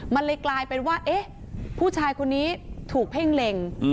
มันเลยกลายเป็นว่าเอ๊ะผู้ชายคนนี้ถูกเพ่งเล็ง